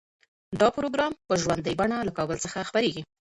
دا پروګرام په ژوندۍ بڼه له کابل څخه خپریږي.